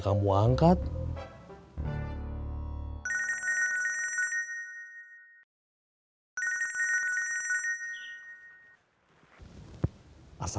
dia mulai ikut intianya